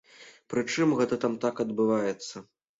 Прычым, гэта там так адбываецца.